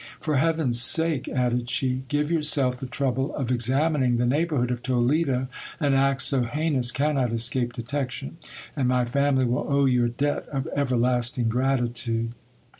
For heaven's sake, added she, give yourself the trouble of examining the neighbourhood of Toledo, an act so heinous cannot escape detection, and my family will owe you a debt of ever lasting gratitude.